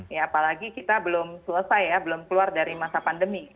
ya apalagi kita belum selesai ya belum keluar dari masa pandemi